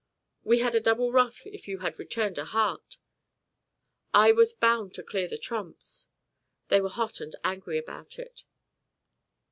"We had a double ruff if you had returned a heart." "I was bound to clear the trumps." They were hot and angry about it.